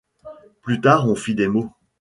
Plus tard on fit des mots.